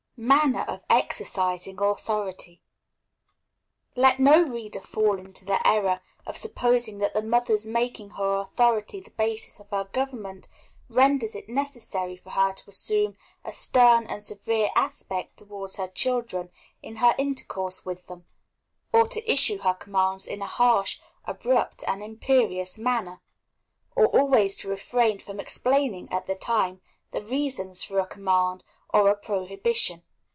Manner of exercising Authority. Let no reader fall into the error of supposing that the mother's making her authority the basis of her government renders it necessary for her to assume a stern and severe aspect towards her children, in her intercourse with them; or to issue her commands in a harsh, abrupt, and imperious manner; or always to refrain from explaining, at the time, the reasons for a command or a prohibition.